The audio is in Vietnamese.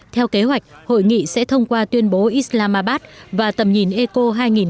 theo kế hoạch hội nghị sẽ thông qua tuyên bố islamabad và tầm nhìn eco hai nghìn hai mươi năm